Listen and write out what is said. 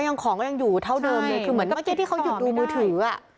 ของก็ยังอยู่เท่าเดิมเลยคือเหมือนกับเมื่อกี้ที่เขาหยุดดูมือถืออ่ะ